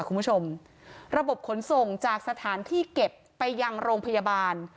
คุณผู้ชมระบบขนส่งจากสถานที่เก็บไปยังโรงพยาบาล